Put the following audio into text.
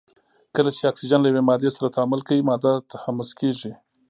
کله چې اکسیجن له یوې مادې سره تعامل کوي ماده تحمض کیږي.